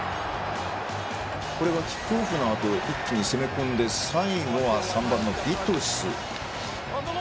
これはキックオフのあと一気に攻め込んで最後は３番のディトゥス。